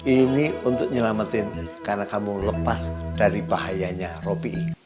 ini untuk nyelamatin karena kamu lepas dari bahayanya robi